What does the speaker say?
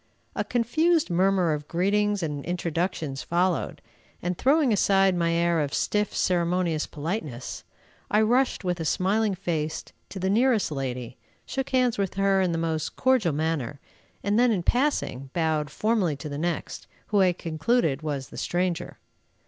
A confused murmur of greetings and introductions followed, and, throwing aside my air of stiff, ceremonious politeness, I rushed, with a smiling face, to the nearest lady, shook hands with her in the most cordial manner, and then, in passing, bowed formally to the next, who I concluded was the stranger.